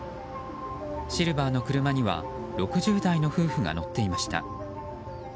シルバーの車には６０代の夫婦が乗っていました。